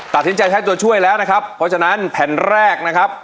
ตัดสินใจใช้ตัวช่วยแล้วนะครับเพราะฉะนั้นแผ่นแรกนะครับ